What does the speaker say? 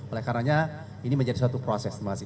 oleh karena ini menjadi suatu proses terima kasih